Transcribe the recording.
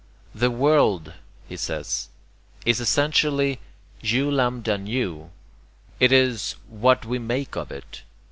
"The world," he says, "is essentially [u lambda nu], it is what we make of it.